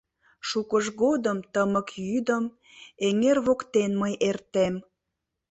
Шукыж годым тымык йӱдым Эҥер воктен мый эртем.